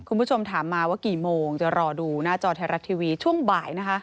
คุณผู้ชมถามมาว่ากี่โมงจะรอดูหน้าจอไทยรัฐทีวีช่วงบ่ายนะคะ